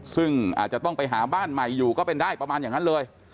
ซึ่งอาจจะต้องไปหาบ้านใหม่อยู่ก็เป็นได้ประมาณอย่างนั้นเลย